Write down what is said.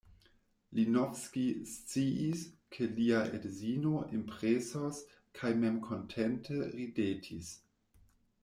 Linovski sciis, ke lia edzino impresos kaj memkontente ridetis.